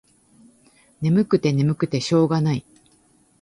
ねむくてねむくてしょうがない。